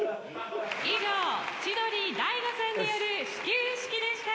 「以上千鳥大悟さんによる始球式でした」